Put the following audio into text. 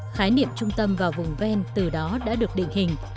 khái niệm trung tâm và vùng ven từ đó đã được định hình